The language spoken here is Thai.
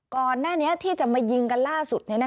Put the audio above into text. ก่อนหน้านี้ที่จะมายิงกันล่าสุด